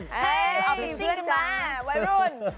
เฮ้ยเพื่อนมาวัยรุ่น